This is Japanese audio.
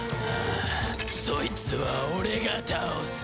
そいつは俺が倒す。